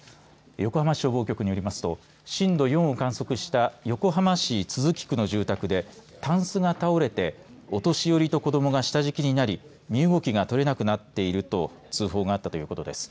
横浜市消防局によりますと震度４を観測した横浜市都筑区の住宅でタンスが倒れてお年寄りと子どもが下敷きになり身動きが取れなくなっていると通報があったということです。